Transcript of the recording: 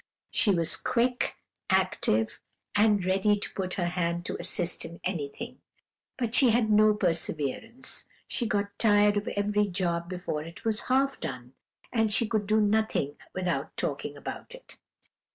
"She was quick, active, and ready to put her hand to assist in anything; but she had no perseverance; she got tired of every job before it was half done, and she could do nothing without talking about it.